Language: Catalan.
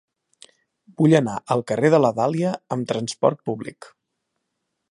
Vull anar al carrer de la Dàlia amb trasport públic.